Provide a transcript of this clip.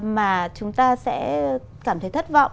mà chúng ta sẽ cảm thấy thất vọng